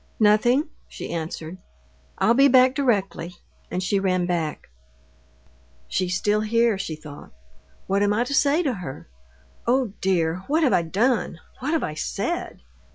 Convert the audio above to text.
"Nothing," she answered. "I'll be back directly," and she ran back. "She's still here," she thought. "What am I to say to her? Oh, dear! what have I done, what have I said?